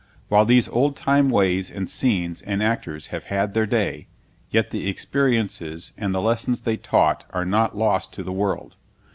While these old time ways and scenes and actors have had their day, yet the experiences and the lessons they taught are not lost to the world.